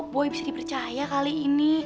boy bisa dipercaya kali ini